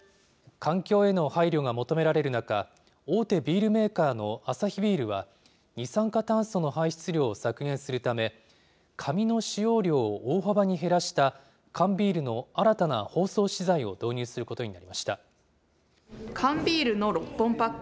環境への配慮が求められる中、大手ビールメーカーのアサヒビールは、二酸化炭素の排出量を削減するため、紙の使用量を大幅に減らした缶ビールの新たな包装資材を導入する缶ビールの６本パック。